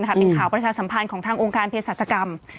เป็นข่าวประชาสัมพันธ์ของทางองค์การเพศรัชกรรม